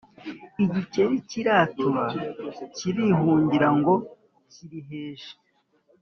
igikeri kiratura kirihungira ngo kiriheje,